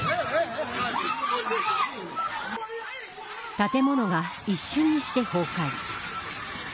建物が一瞬にして崩壊。